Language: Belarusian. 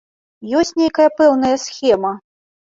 Ёсць нейкая пэўная схема?